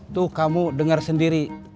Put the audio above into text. tuh kamu dengar sendiri